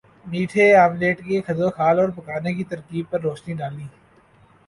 میٹھے آملیٹ کے خدوخال اور پکانے کی ترکیب پر روشنی ڈالی